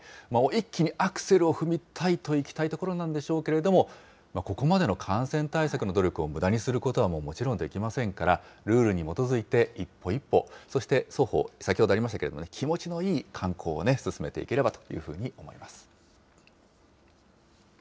一気にアクセルを踏みたいといきたいところなんでしょうけれども、ここまでの感染対策の努力をむだにすることはもちろんできませんから、ルールに基づいて一歩一歩、そして双方、先ほどもありましたけれどもね、気持ちのいい観光を進めていければというふうに思います。